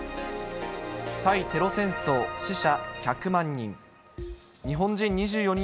対テロ戦争、死者１００万人。